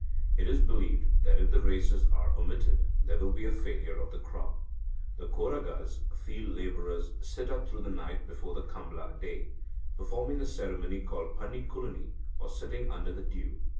It is believed that, if the races are omitted, there will be a failure of the crop. The Koragas (field labourers) sit up through the night before the Kambla day, performing a ceremony called panikkuluni, or sitting under the dew.